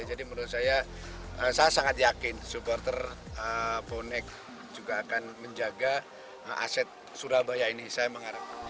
menurut saya saya sangat yakin supporter bonek juga akan menjaga aset surabaya ini saya mengharap